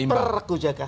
per regu jaga